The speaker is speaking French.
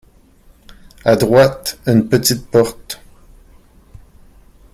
À droite, une petite porte.